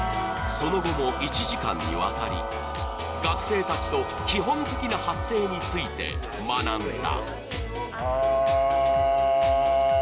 その後も１時間にわたり、学生たちと基本的な発声について学んだ。